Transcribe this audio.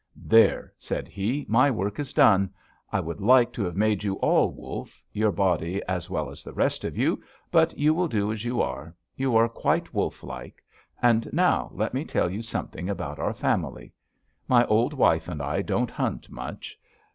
'There!' said he. 'My work is done. I would like to have made you all wolf, your body as well as the rest of you, but you will do as you are; you are quite wolf like. And now, let me tell you something about our family. My old wife and I don't hunt much.